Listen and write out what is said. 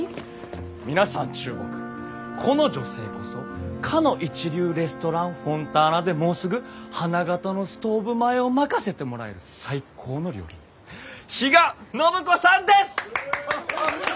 皆さん注目この女性こそかの一流レストランフォンターナでもうすぐ花形のストーブ前を任せてもらえる最高の料理人比嘉暢子さんです！